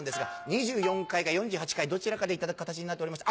２４回か４８回どちらかで頂く形になっておりまして」。